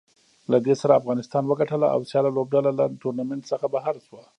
له دې سره افغانستان وګټله او سیاله لوبډله له ټورنمنټ څخه بهر شوه